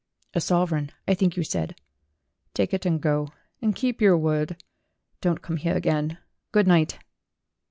"A sovereign, I think you said. Take it and go. And keep your word. Don't come here again. Good night."